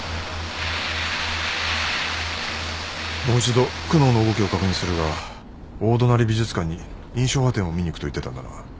もう一度久能の動きを確認するが大隣美術館に『印象派展』を見に行くと言ってたんだな。